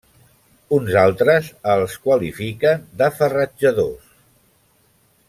Uns altres els qualifiquen de farratjadors.